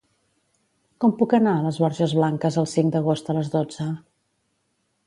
Com puc anar a les Borges Blanques el cinc d'agost a les dotze?